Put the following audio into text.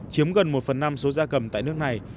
chiếm gần một phần năm số gia cầm tại nước này